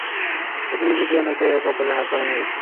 প্রতিদিনই কেউ না কেউ একে-অপরের হাত-পা ভেঙে দিচ্ছে।